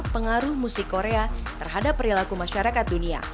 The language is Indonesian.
pengaruh musik korea terhadap perilaku masyarakat dunia